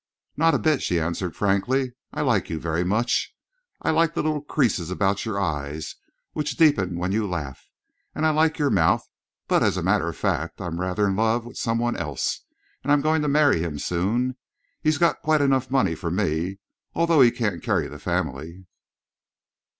"Not a bit," she answered frankly. "I like you very much I like the little crease about your eyes, which deepens when you laugh. And I like your mouth. But as a matter of fact, I'm rather in love with some one else, and I'm going to marry him soon. He's got quite enough money for me, although he can't carry the family."